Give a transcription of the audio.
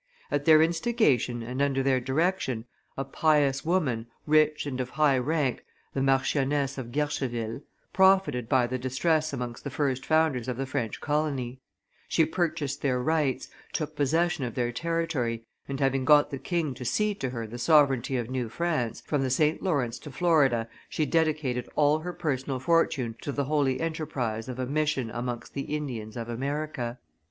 At their instigation and under their direction a pious woman, rich and of high rank, the Marchioness of Guercheville, profited by the distress amongst the first founders of the French colony; she purchased their rights, took possession of their territory, and, having got the king to cede to her the sovereignty of New France, from the St. Lawrence to Florida, she dedicated all her personal fortune to the holy enterprise of a mission amongst the Indians of America.